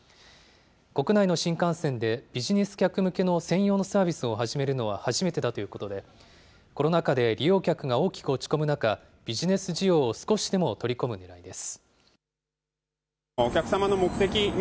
国内の新幹線で、ビジネス客向けの専用のサービスを始めるのは初めてだということで、コロナ禍で利用客が大きく落ち込む中、ビジネス需要を少しでも取り込むねらいです。